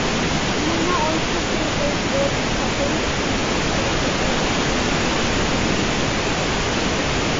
Mina also faces both subtle and outright dislike from the Black community.